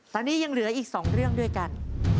ตอนนี้ยังเหลืออีก๒เรื่องด้วยกัน